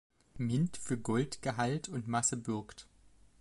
Mint für Goldgehalt und Masse bürgt.